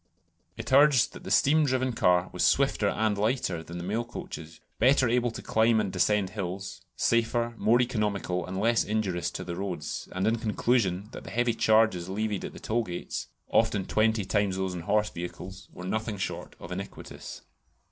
It urged that the steam driven car was swifter and lighter than the mail coaches; better able to climb and descend hills; safer; more economical; and less injurious to the roads; and, in conclusion, that the heavy charges levied at the toll gates (often twenty times those on horse vehicles) were nothing short of iniquitous.